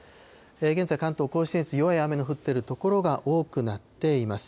現在、関東甲信越、弱い雨の降っている所が多くなっています。